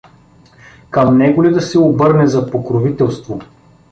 Към него ли да се обърне за покровителство?